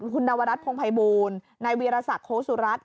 คุณนวรรัฐพงภัยบูรณ์นายเวียรศักดิ์โฮสุรัสตร์